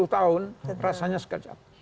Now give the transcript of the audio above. dua puluh tahun rasanya sekejap